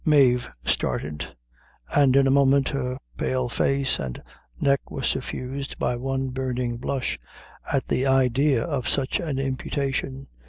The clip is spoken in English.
Mave started, and in a moment her pale face and neck were suffused by one burning blush, at the idea of such an imputation.